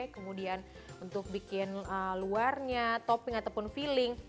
kemudian untuk bikin luarnya topping ataupun feeling